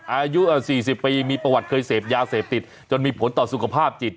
อายุ๔๐ปีมีประวัติเคยเสพยาเสพติดจนมีผลต่อสุขภาพจิต